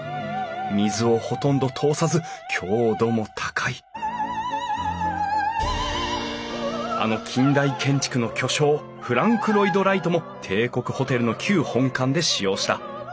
水をほとんど通さず強度も高いあの近代建築の巨匠フランク・ロイド・ライトも帝国ホテルの旧本館で使用した。